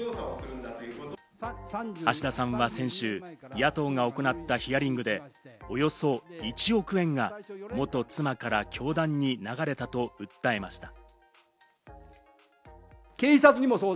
橋田さんは先週、野党が行ったヒアリングでおよそ１億円が元妻から教団に流れたと訴えました。